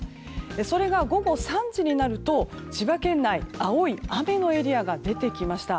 それが午後３時になると千葉県内、青い雨のエリアが出てきました。